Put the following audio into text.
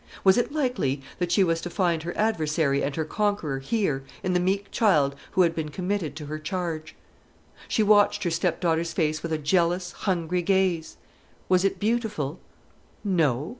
Was it likely that she was to find her adversary and her conqueror here, in the meek child who had been committed to her charge? She watched her stepdaughter's face with a jealous, hungry gaze. Was it beautiful? No!